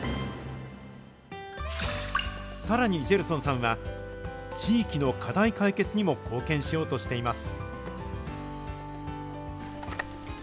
さらにジェルソンさんは、地域の課題解決にも貢献しようとしています。